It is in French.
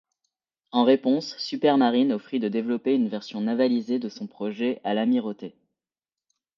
En réponse, Supermarine offrit de développer une version navalisée de son projet à l'Amirauté.